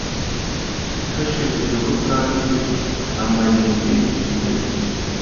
hashyizweho kandi amarimbi yihariye